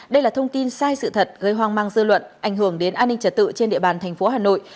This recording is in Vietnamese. đây là thông tin sai sự thật gây hoang mang dư luận ảnh hưởng đến an ninh trật tự trên địa bàn thành phố hà nội